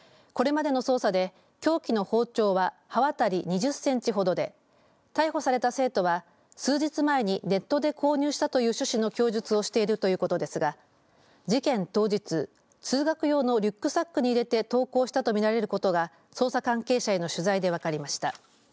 これまでの捜査で凶器の包丁は刃渡り２０センチほどで逮捕された生徒は数日前にネットで購入したという趣旨の供述をしているということですが事件当日、通学用のリュックサックに入れて登校したとみられることが捜査関係者への取材で分かりました。